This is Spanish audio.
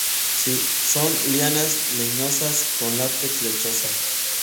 Son lianas leñosas, con látex lechoso.